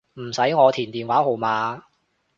唔使我填電話號碼